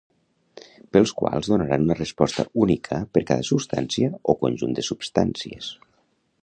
Pels quals donaran una resposta única per cada substància o conjunt de substàncies